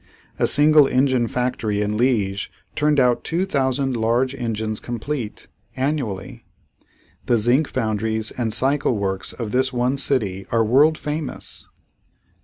A single engine factory in Liege turned out two thousand large engines complete, annually. The zinc foundries and cycle works of this one city are world famous.